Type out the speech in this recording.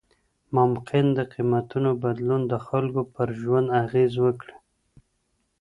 ممکن د قیمتونو بدلون د خلګو پر ژوند اغیز وکړي.